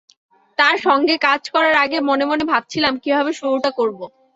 তাঁর সঙ্গে কাজ করার আগে মনে মনে ভাবছিলাম, কীভাবে শুরুটা করব।